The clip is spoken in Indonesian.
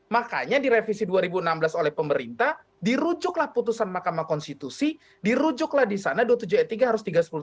makanya direvisi dua ribu enam belas oleh pemerintah dirujuklah putusan makam konstitusi dirujuklah di sana dua ratus tujuh puluh tiga harus tiga ratus sepuluh tiga ratus sebelas